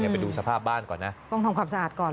ไปดูสภาพบ้านก่อนนะต้องทำความสะอาดก่อน